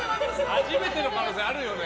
初めての可能性あるな。